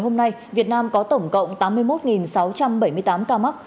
trong ngày hôm nay việt nam có tổng cộng tám mươi một sáu trăm bảy mươi tám ca mắc